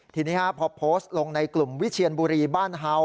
ทีนี้พอโพสต์ลงในกลุ่มวิเชียนบุรีบ้านเฮา